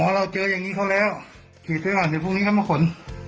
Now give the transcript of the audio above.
โอ้โหเราเจออย่างนี้เขาแล้วเดี๋ยวพรุ่งนี้เขามาขน